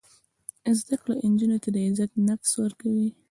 زده کړه نجونو ته د عزت نفس ورکوي.